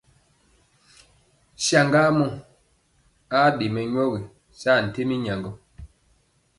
Saŋgamɔ aa ɗe mɛnyɔgi saa tembi nyagŋgɔ.